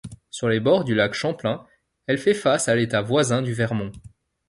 Sur les bords du lac Champlain, elle fait face à l'État voisin du Vermont.